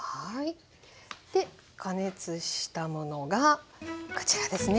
で加熱したものがこちらですね。